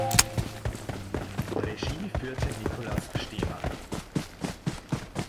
Regie führte Nicolas Stemann.